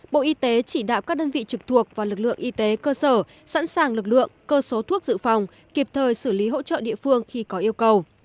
bộ y tế chỉ đạo các đơn vị trực thuộc và lực lượng y tế cơ sở sẵn sàng lực lượng cơ số thuốc dự phòng kịp thời xử lý hỗ trợ địa phương khi có yêu cầu